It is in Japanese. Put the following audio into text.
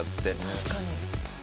確かに。